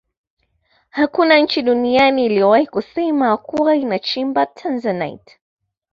hakuna nchi duniani iliyowahi kusema kuwa inachimba tanzanite